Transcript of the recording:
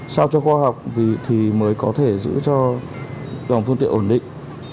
sao cho khoa học thì mới có thể giữ cho dòng phương tiện ổn định